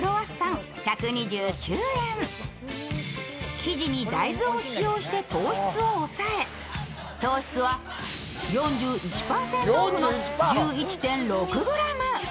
生地に大豆を使用して糖質を抑え糖質は４１％オフの１１．６ｇ。